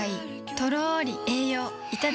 とろり栄養いただきます